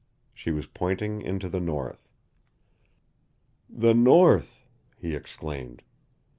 She was pointing into the north. "The North!" he exclaimed.